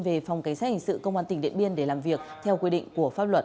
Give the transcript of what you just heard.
về phòng cảnh sát hình sự công an tỉnh điện biên để làm việc theo quy định của pháp luật